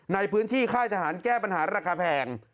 ในพื้นที่ค่ายทหารแก้ปัญหาราคาแพง